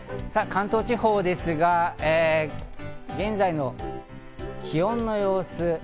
関東地方ですが、現在の気温の様子。